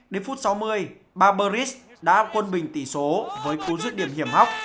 đến phút sáu mươi barberis đã quân bình tỷ số với cú giữ điểm hiểm hóc